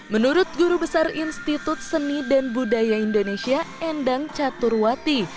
menurut guru besar institut seni dan budaya indonesia endang caturwati